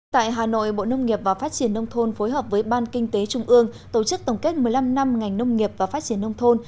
tại hà nội bộ nông nghiệp và phát triển nông thôn phối hợp với ban kinh tế trung ương tổ chức tổng kết một mươi năm năm ngành nông nghiệp và phát triển nông thôn